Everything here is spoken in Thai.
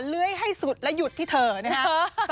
เลื้อยให้สุดและหยุดที่เธอนะครับ